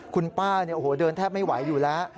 คุณป้าเดินแทบไม่ไหวอยู่แล้ว